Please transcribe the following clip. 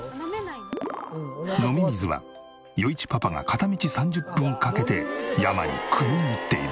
飲み水は余一パパが片道３０分かけて山にくみに行っている。